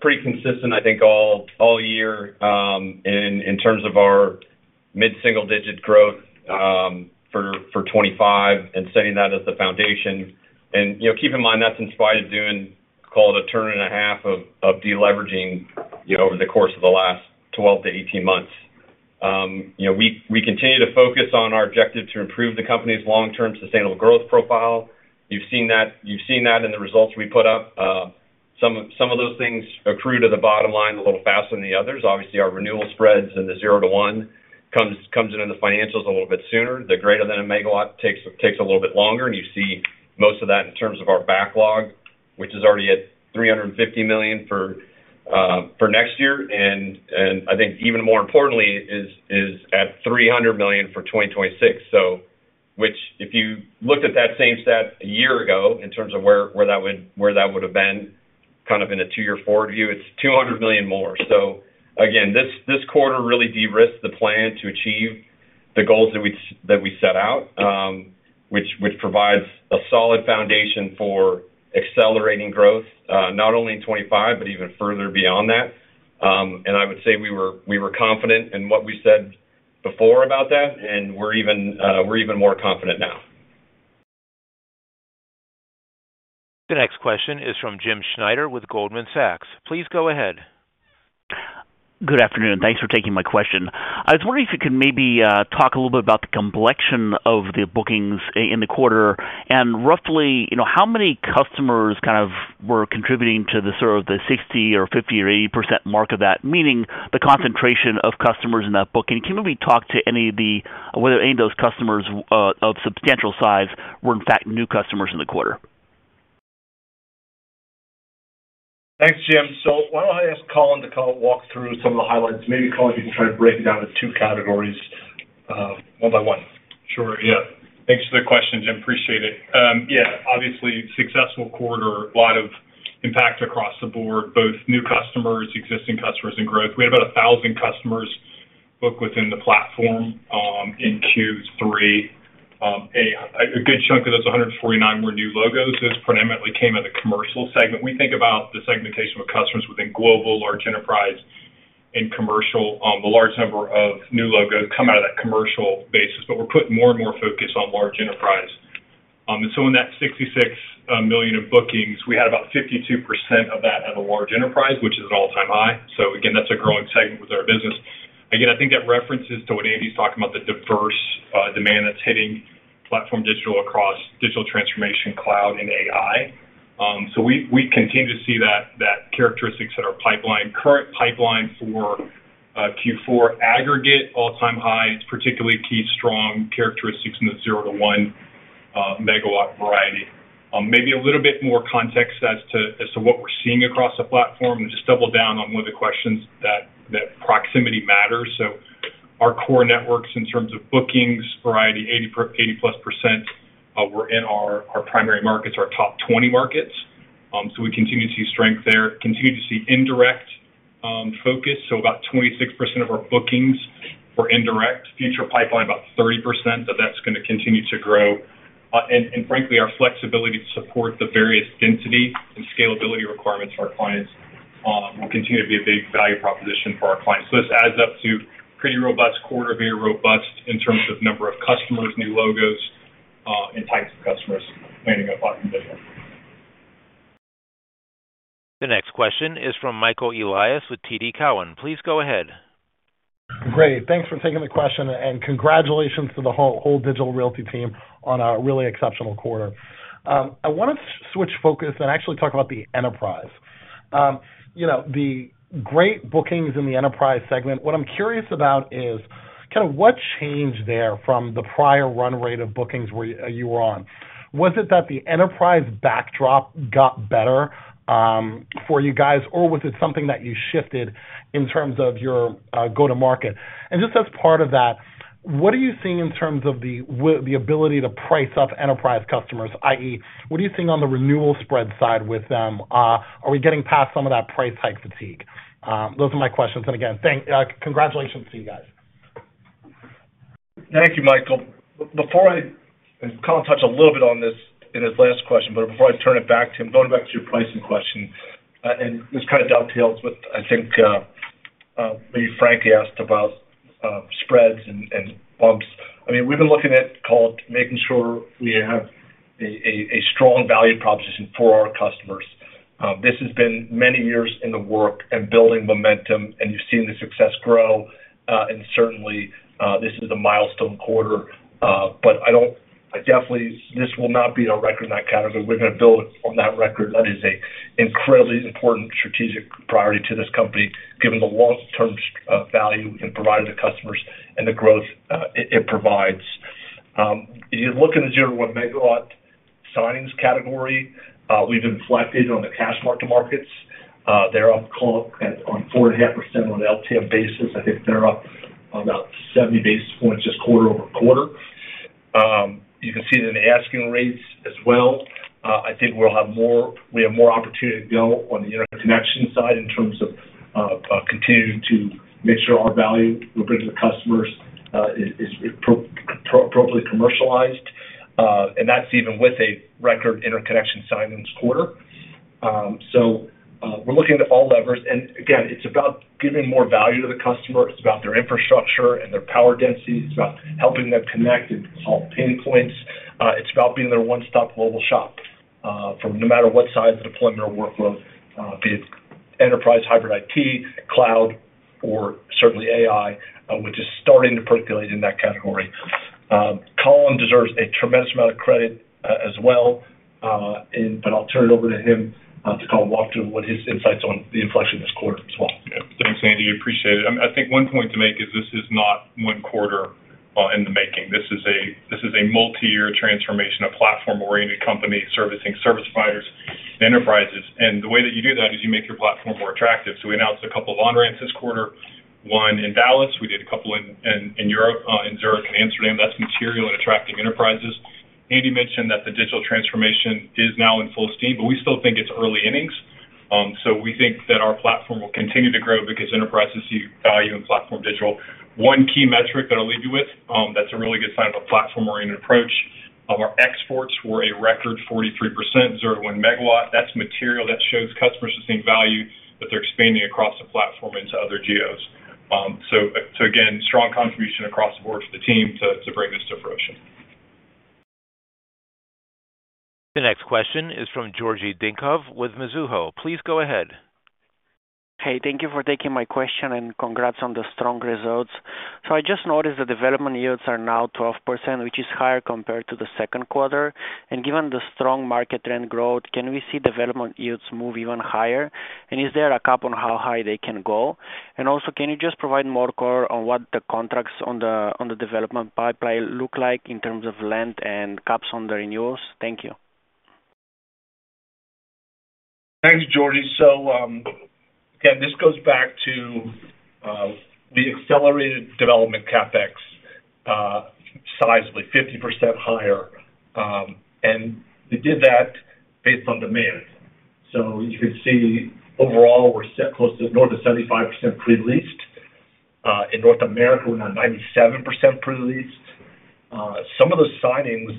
D: pretty consistent, I think, all year in terms of our mid-single-digit growth for twenty-five and setting that as the foundation, and you know, keep in mind, that's in spite of doing, call it, a turn and a half of deleveraging, you know, over the course of the last 12 to 18 months. You know, we continue to focus on our objective to improve the company's long-term sustainable growth profile. You've seen that in the results we put up. Some of those things accrue to the bottom line a little faster than the others. Obviously, our renewal spreads in the zero to one come into the financials a little bit sooner. The greater than a megawatt takes a little bit longer, and you see most of that in terms of our backlog, which is already at $350 million for next year. And I think even more importantly is at $300 million for 2026. So which, if you looked at that same stat a year ago in terms of where that would have been, kind of in a two-year forward view, it's $200 million more. So again, this quarter really de-risked the plan to achieve the goals that we set out, which provides a solid foundation for accelerating growth, not only in 2025, but even further beyond that. And I would say we were confident in what we said before about that, and we're even more confident now.
A: The next question is from Jim Schneider with Goldman Sachs. Please go ahead.
P: Good afternoon. Thanks for taking my question. I was wondering if you could maybe talk a little bit about the complexion of the bookings in the quarter, and roughly, you know, how many customers kind of were contributing to the sort of the 60% or 50% or 80% mark of that, meaning the concentration of customers in that booking. Can you maybe talk to any of the whether any of those customers of substantial size were, in fact, new customers in the quarter?
C: Thanks, Jim. So why don't I ask Colin to kind of walk through some of the highlights? Maybe, Colin, you can try to break it down to two categories, one by one.
G: Sure. Yeah. Thanks for the question, Jim. Appreciate it. Yeah, obviously, successful quarter, a lot of impact across the board, both new customers, existing customers, and growth. We had about 1,000 customers book within the platform, in Q3. A good chunk of those, 149, were new logos. This predominantly came in the commercial segment. We think about the segmentation of customers within global, large enterprise, and commercial. A large number of new logos come out of that commercial basis, but we're putting more and more focus on large enterprise. And so in that $66 million in bookings, we had about 52% of that at a large enterprise, which is an all-time high. So again, that's a growing segment with our business. Again, I think that references to what Andy's talking about, the diverse, demand that's hitting Platform Digital across digital transformation, cloud, and AI. So we continue to see those characteristics that our current pipeline for Q4 aggregate all-time highs, particularly key strong characteristics in the zero to one megawatt variety. Maybe a little bit more context as to what we're seeing across the platform, and just double down on one of the questions that proximity matters. So our core networks, in terms of bookings variety, 80+% were in our primary markets, our top 20 markets. So we continue to see strength there, continue to see indirect focus. So about 26% of our bookings were indirect. Future pipeline, about 30%, but that's going to continue to grow. Frankly, our flexibility to support the various density and scalability requirements for our clients will continue to be a big value proposition for our clients. So this adds up to pretty robust quarter, very robust in terms of number of customers, new logos, and types of customers landing up on Digital.
A: The next question is from Michael Elias with TD Cowen. Please go ahead.
Q: Great. Thanks for taking the question, and congratulations to the whole, whole Digital Realty team on a really exceptional quarter. I want to switch focus and actually talk about the enterprise. You know, the great bookings in the enterprise segment, what I'm curious about is, kind of what changed there from the prior run rate of bookings where you, you were on? Was it that the enterprise backdrop got better, for you guys, or was it something that you shifted in terms of your go-to-market? And just as part of that, what are you seeing in terms of the ability to price up enterprise customers, i.e., what are you seeing on the renewal spread side with them? Are we getting past some of that price hike fatigue? Those are my questions. And again, thanks, congratulations to you guys.
C: Thank you, Michael. Colin touched a little bit on this in his last question, but before I turn it back to him, going back to your pricing question, and this kind of dovetails with, I think, where Frank asked about spreads and bumps. I mean, we've been looking at making sure we have a strong value proposition for our customers. This has been many years in the works and building momentum, and you've seen the success grow, and certainly, this is a milestone quarter. But this will not be a record in that category. We're going to build on that record. That is an incredibly important strategic priority to this company, given the long-term value we can provide to customers and the growth it provides. If you look in the 0-1 megawatt signings category, we've been aggressive on the cash markets. They're up, call it on 4.5% on the LTM basis. I think they're up about 70 basis points, just quarter over quarter. You can see it in the asking rates as well. I think we'll have more. We have more opportunity to go on the interconnection side in terms of continuing to make sure our value we bring to the customers is appropriately commercialized. And that's even with a record interconnection signings quarter. So, we're looking at all levers, and again, it's about giving more value to the customer. It's about their infrastructure and their power density. It's about helping them connect and colocate. It's about being their one-stop global shop, from no matter what size, deployment, or workload, be it enterprise, hybrid IT, cloud, or certainly AI, which is starting to percolate in that category. Colin deserves a tremendous amount of credit, as well, but I'll turn it over to him, to kind of walk through what his insights on the inflection this quarter as well.
G: Yeah. Thanks, Andy. Appreciate it. I think one point to make is this is not one quarter in the making. This is a multi-year transformation, a platform-oriented company servicing service providers, enterprises. And the way that you do that is you make your platform more attractive. So we announced a couple of on-ramps this quarter, one in Dallas. We did a couple in Europe, in Zurich and Amsterdam. That's material in attracting enterprises. Andy mentioned that the digital transformation is now in full steam, but we still think it's early innings. So we think that our platform will continue to grow because enterprises see value in Platform Digital. One key metric that I'll leave you with, that's a really good sign of a platform-oriented approach. Our exports were a record 43%, 01 megawatt. That's material. That shows customers are seeing value, that they're expanding across the platform into other geos. So again, strong contribution across the board for the team to bring this to fruition.
A: The next question is from Georgi Dinkov with Mizuho. Please go ahead.
R: Hey, thank you for taking my question, and congrats on the strong results. So I just noticed the development yields are now 12%, which is higher compared to the second quarter. And given the strong market trend growth, can we see development yields move even higher? And is there a cap on how high they can go? And also, can you just provide more color on what the contracts on the, on the development pipeline look like in terms of land and caps on the renewals? Thank you.
C: Thanks, Georgie. So, again, this goes back to the accelerated development CapEx, sizably, 50% higher. And we did that based on demand. So you can see overall, we're set close to north of 75% pre-leased. In North America, we're now 97% pre-leased. Some of the signings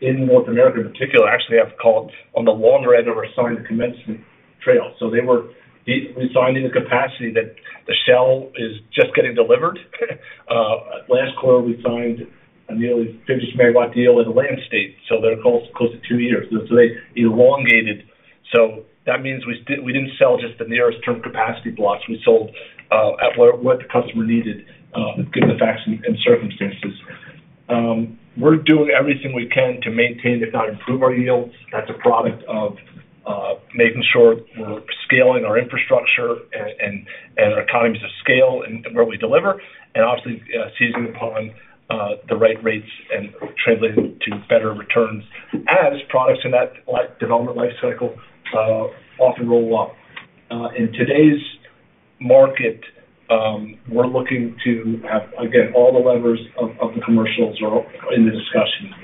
C: in North America in particular, actually, have called on the longer end of our signed commencement trail. So they were. We signed in a capacity that the shell is just getting delivered. Last quarter, we signed a nearly 50 megawatt deal in the land state, so they're close, close to two years. So they elongated. So that means we still. We didn't sell just the nearest term capacity blocks. We sold at what the customer needed, given the facts and circumstances. We're doing everything we can to maintain, if not improve, our yields. That's a product of making sure we're scaling our infrastructure and our economies of scale and where we deliver, and obviously seizing upon the right rates and translating to better returns as products in that life-development life cycle often roll up. In today's market, we're looking to have, again, all the levers of the commercials are in the discussion.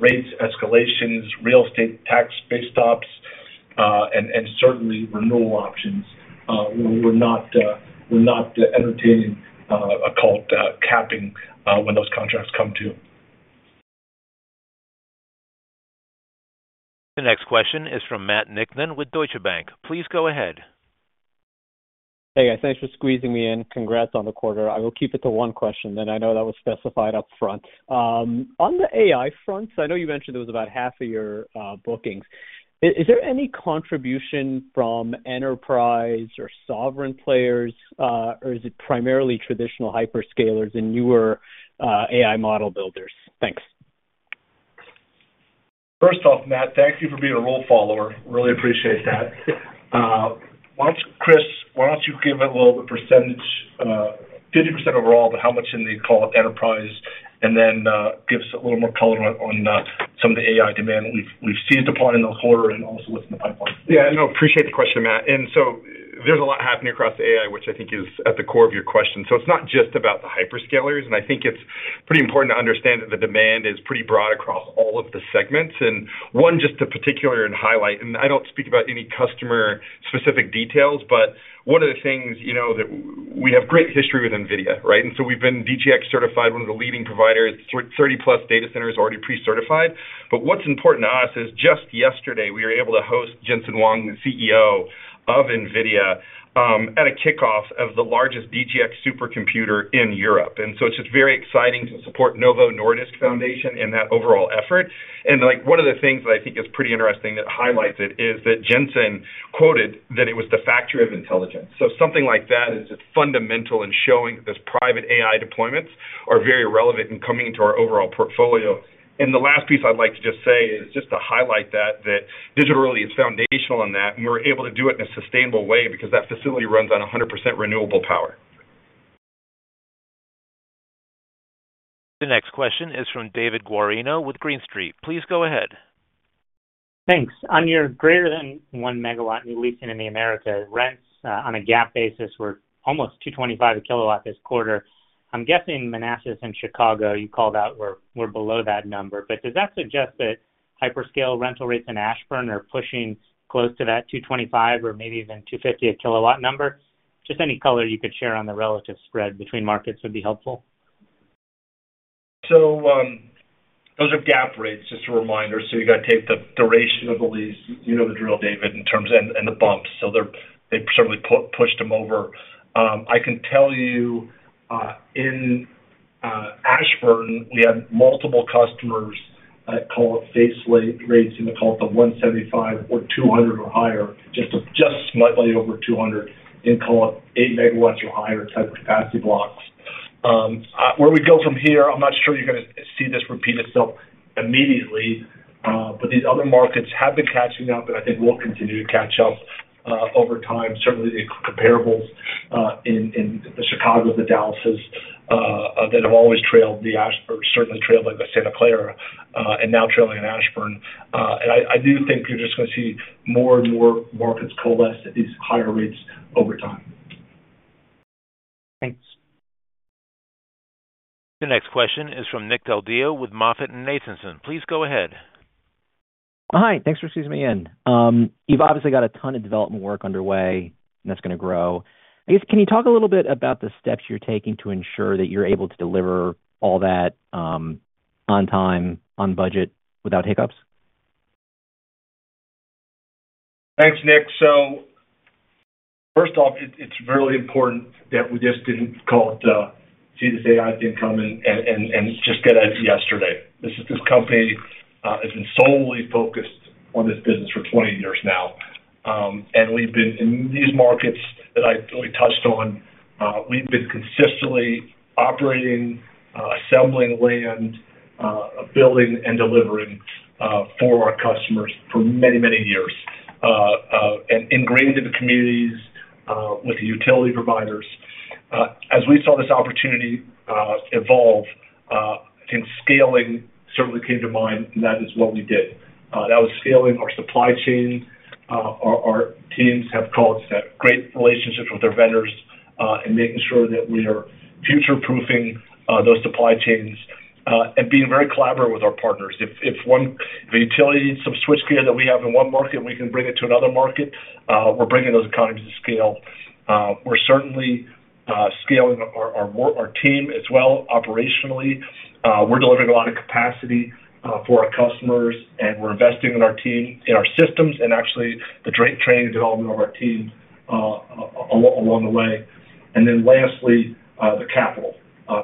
C: Rates, escalations, real estate tax, base rents, and certainly renewal options. We're not entertaining a cap capping when those contracts come to.
A: The next question is from Matt Niknam with Deutsche Bank. Please go ahead.
S: Hey, guys. Thanks for squeezing me in. Congrats on the quarter. I will keep it to one question, and I know that was specified upfront. On the AI front, so I know you mentioned it was about half of your bookings. Is there any contribution from enterprise or sovereign players, or is it primarily traditional hyperscalers and newer AI model builders? Thanks.
C: First off, Matt, thank you for being a role follower. Really appreciate that. Why don't you, Chris, why don't you give it a little the percentage, 50% overall, but how much in the colo enterprise, and then, give us a little more color on, on, some of the AI demand we've seized upon in the quarter and also what's in the pipeline.
H: Yeah, no, appreciate the question, Matt. And so there's a lot happening across AI, which I think is at the core of your question. So it's not just about the hyperscalers, and I think it's pretty important to understand that the demand is pretty broad across all of the segments. And one, just to particular and highlight, and I don't speak about any customer-specific details, but one of the things, you know, that we have great history with NVIDIA, right? And so we've been DGX certified, one of the leading providers, thirty-plus data centers already pre-certified. But what's important to us is just yesterday, we were able to host Jensen Huang, the CEO of NVIDIA, at a kickoff of the largest DGX supercomputer in Europe. And so it's just very exciting to support Novo Nordisk Foundation in that overall effort. And, like, one of the things that I think is pretty interesting that highlights it is that Jensen quoted that it was the factory of intelligence. So something like that is just fundamental in showing that those private AI deployments are very relevant in coming into our overall portfolio. And the last piece I'd like to just say is just to highlight that, that Digital Realty is foundational in that, and we're able to do it in a sustainable way because that facility runs on 100% renewable power.
A: The next question is from David Guarino with Green Street. Please go ahead.
T: Thanks. On your greater than one megawatt new leasing in the Americas, rents on a GAAP basis were almost $2.25 a kilowatt this quarter. I'm guessing Manassas and Chicago, you called out, were below that number. But does that suggest that hyperscale rental rates in Ashburn are pushing close to that $2.25 or maybe even $2.50 a kilowatt number? Just any color you could share on the relative spread between markets would be helpful.
C: Those are GAAP rates, just a reminder. You got to take the duration of the lease, you know the drill, David, in terms of the bumps, so they certainly pushed them over. I can tell you, in Ashburn, we have multiple customers at, call it, face rate rates in the $175 or $200 or higher, just slightly over $200 in, call it, eight megawatts or higher type capacity blocks. Where we go from here, I'm not sure you're gonna see this repeat itself immediately, but these other markets have been catching up, and I think will continue to catch up, over time. Certainly, the comparables in the Chicago, the Dallas, that have always trailed the Ashburn, certainly trailed by the Santa Clara, and now trailing in Ashburn, and I do think you're just gonna see more and more markets coalesce at these higher rates over time.
T: Thanks.
A: The next question is from Nick Deldio with MoffettNathanson. Please go ahead.
U: Hi, thanks for squeezing me in. You've obviously got a ton of development work underway, and that's gonna grow. I guess, can you talk a little bit about the steps you're taking to ensure that you're able to deliver all that, on time, on budget, without hiccups?
C: Thanks, Nick. So first off, it's really important that we just didn't see this AI thing come and just get it yesterday. This company has been solely focused on this business for 20 years now. And we've been in these markets that I really touched on. We've been consistently operating, assembling land, building and delivering for our customers for many, many years, and ingrained in the communities with the utility providers. As we saw this opportunity evolve, and scaling certainly came to mind, and that is what we did. That was scaling our supply chain. Our teams have forged great relationships with their vendors, and making sure that we are future-proofing those supply chains, and being very collaborative with our partners. If a utility needs some switchgear that we have in one market, and we can bring it to another market, we're bringing those economies to scale. We're certainly scaling our work, our team as well operationally. We're delivering a lot of capacity for our customers, and we're investing in our team, in our systems, and actually the training and development of our teams along the way. And then lastly, the capital.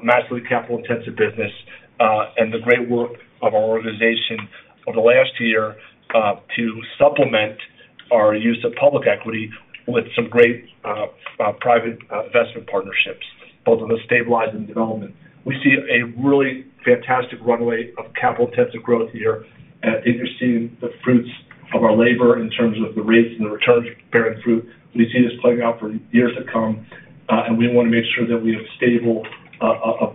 C: Massively capital-intensive business, and the great work of our organization for the last year to supplement our use of public equity with some great private investment partnerships, both on the stabilized and development. We see a really fantastic runway of capital-intensive growth here, and I think you're seeing the fruits of our labor in terms of the rates and the returns bearing fruit. We see this playing out for years to come, and we want to make sure that we have stable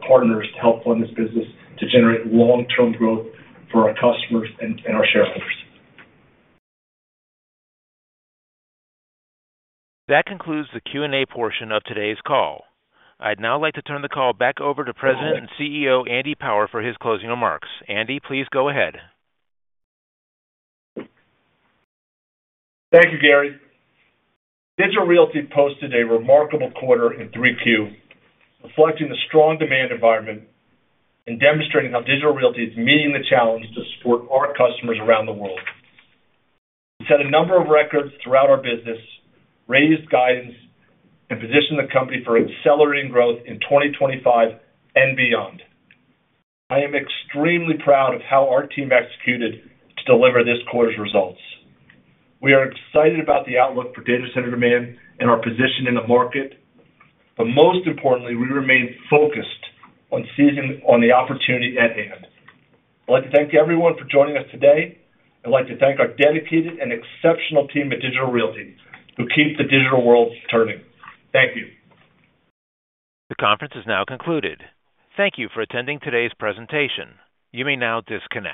C: partners to help fund this business to generate long-term growth for our customers and our shareholders.
A: That concludes the Q&A portion of today's call. I'd now like to turn the call back over to President and CEO, Andy Power, for his closing remarks. Andy, please go ahead.
C: Thank you, Gary. Digital Realty posted a remarkable quarter in Q3, reflecting the strong demand environment and demonstrating how Digital Realty is meeting the challenge to support our customers around the world. We set a number of records throughout our business, raised guidance, and positioned the company for accelerating growth in twenty twenty-five and beyond. I am extremely proud of how our team executed to deliver this quarter's results. We are excited about the outlook for data center demand and our position in the market, but most importantly, we remain focused on seizing on the opportunity at hand. I'd like to thank everyone for joining us today. I'd like to thank our dedicated and exceptional team at Digital Realty, who keep the digital world turning. Thank you.
A: The conference is now concluded. Thank you for attending today's presentation. You may now disconnect.